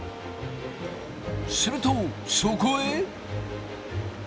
するとそこへ。